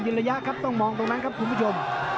ระยะครับต้องมองตรงนั้นครับคุณผู้ชม